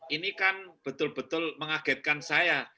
ini kan betul betul mengagetkan saya